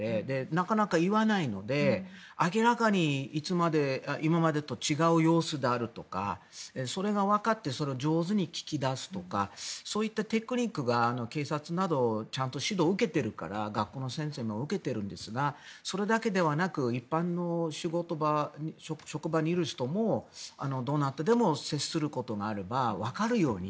なかなか言わないので明らかに今までと違う様子であるとかそれがわかってそれを上手に聞き出すとかそういったテクニックが警察などちゃんと指導を受けてるから学校の先生も受けているんですがそれだけではなく一般の仕事場、職場にいる人もどなたでも接することがあればわかるように。